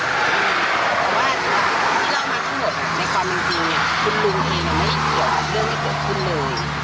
แต่ว่าที่เล่ามาทั้งหมดในความจริงคุณลุงเองไม่ได้เกี่ยวกับเรื่องที่เกิดขึ้นเลย